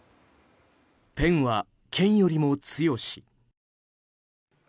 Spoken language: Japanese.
ペンは剣よりも強し。